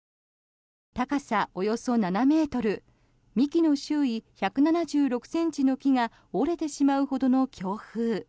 高さ、およそ７ｍ幹の周囲、１７６ｃｍの木が折れてしまうほどの強風。